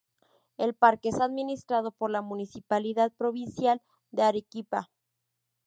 El parque es administrado por la Municipalidad Provincial de Arequipa.